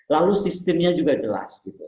lalu sistemnya juga jelas